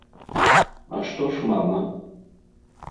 А што ж мама?